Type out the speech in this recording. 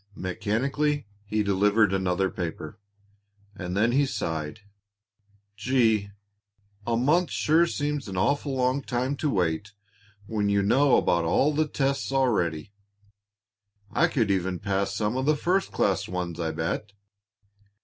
Mechanically he delivered another paper, and then he sighed. "Gee! A month sure seems an awful long time to wait when you know about all the tests already. I could even pass some of the first class ones, I bet!